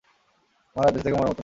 মহারাজ বেঁচে থেকেও মরার মতন।